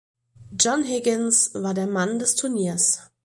John Higgins war der Mann des Turniers.